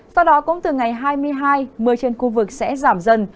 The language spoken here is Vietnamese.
sau đó cũng từ ngày hai mươi hai mưa trên khu vực sẽ giảm dần